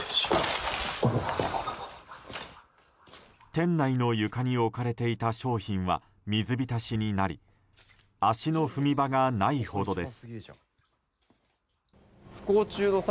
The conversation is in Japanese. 店内の床に置かれていた商品は水浸しになり足の踏み場がないほどです。